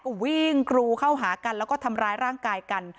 ก็วิ่งกรูเข้าหากันแล้วก็ทำร้ายร่างกายกัน